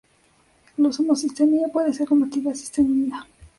La homocisteína puede ser convertida a cisteína.